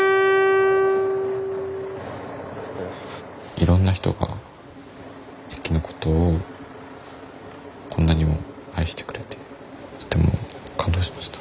いろんな人が駅のことをこんなにも愛してくれてとても感動しました。